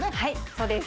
そうです